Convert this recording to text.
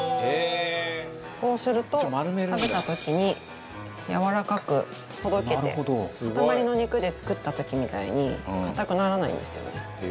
こうすると食べた時にやわらかくほどけて塊の肉で作った時みたいに硬くならないんですよね。